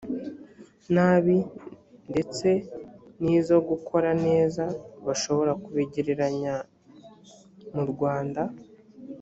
nabi ndetse n izo gukora neza bashobora kubigereranya mu rwanda